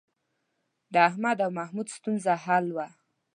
د احمد او محمود ستونزه حل وه.